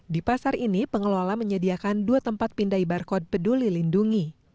di pasar ini pengelola menyediakan dua tempat pindai barcode peduli lindungi